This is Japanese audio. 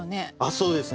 そうですね。